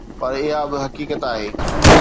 پر اها به هڪ حقيقت آهي.